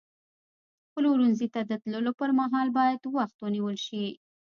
پلورنځي ته د تللو پر مهال باید وخت ونیول شي.